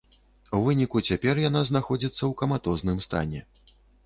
У выніку цяпер яна знаходзіцца ў каматозным стане.